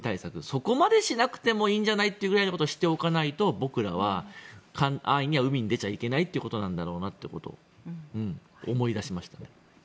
そこまでしなくてもいいんじゃないということをしておかないと僕らは安易には海に出てはいけないんだろうなということを思い出しましたね。